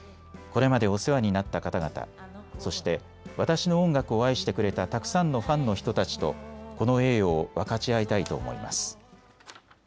これまでお世話になった方々、そして私の音楽を愛してくれたたくさんのファンの人たちとこの栄誉を分かち合いたいと思います。